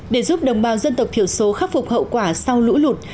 để giúp đồng bào dân tộc thiểu số khắc phục hậu quả sau lũ lụt